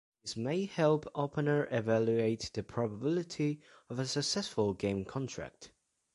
This may help opener evaluate the probability of a successful game contract.